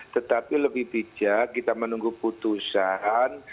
tetapi lebih bijak kita menunggu putusan